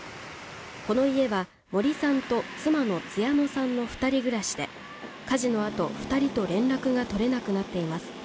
この家は森さんと妻の華乃さんの２人暮らしで、火事のあと、２人と連絡が取れなくなっています。